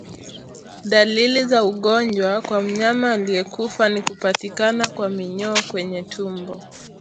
Dalili za ugonjwa kwa mnyama aliyekufa ni kupatikana kwa minyoo kwenye utumbo